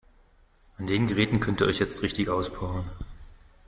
An den Geräten könnt ihr euch jetzt richtig auspowern.